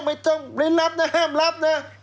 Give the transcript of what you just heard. ไม่รับนะห้ามรับนะ